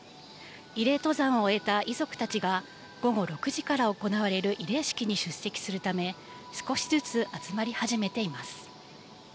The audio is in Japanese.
慰霊登山を終えた遺族たちが、午後６時から行われる慰霊式に出席するため、少しずつ集まり始めています。